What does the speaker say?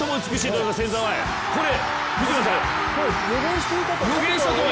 これ、見てください。